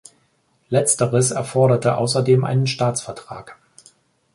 Letzteres erforderte außerdem einen Staatsvertrag.